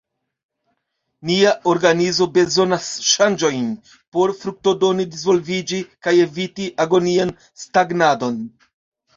Nia organizo bezonas ŝanĝojn por fruktodone disvolviĝi kaj eviti agonian stagnadon.